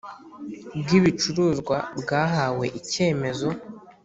bw ibicuruzwa bwahawe icyemezo